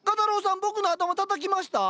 僕の頭たたきました？